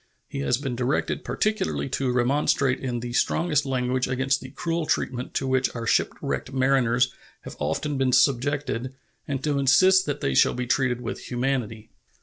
He has been directed particularly to remonstrate in the strongest language against the cruel treatment to which our shipwrecked mariners have often been subjected and to insist that they shall be treated with humanity.